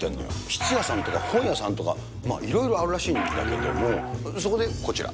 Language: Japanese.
質屋さんとか本屋さんとか、いろいろあるらしいんだけども、またそこでこちら。